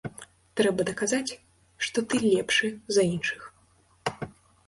Трэба даказаць, што ты лепшы за іншых.